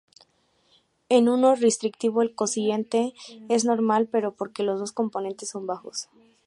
En uno restrictivo el cociente es normal pero porque los dos componentes son bajos.